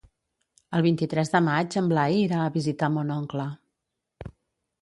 El vint-i-tres de maig en Blai irà a visitar mon oncle.